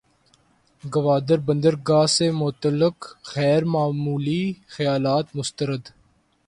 گوادر بندرگاہ سے متعلق غیر معمولی خیالات مسترد